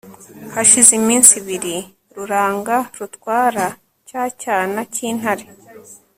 hashize iminsi ibiri, ruranga rutwara cya cyana cy'intare